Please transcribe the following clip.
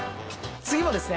次もですね